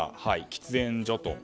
喫煙所と。